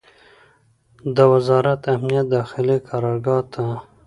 د وزارت امنیت داخلي قرارګاه ته